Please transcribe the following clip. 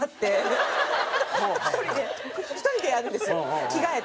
１人でやるんですよ着替えて。